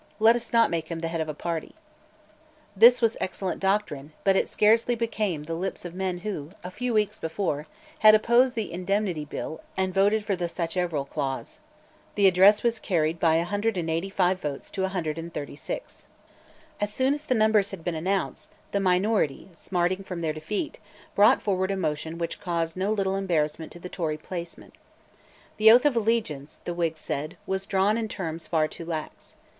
Let us not make him the head of a party." This was excellent doctrine; but it scarcely became the lips of men who, a few weeks before, had opposed the Indemnity Bill and voted for the Sacheverell Clause. The address was carried by a hundred and eighty five votes to a hundred and thirty six, As soon as the numbers had been announced, the minority, smarting from their defeat, brought forward a motion which caused no little embarrassment to the Tory placemen. The oath of allegiance, the Whigs said, was drawn in terms far too lax.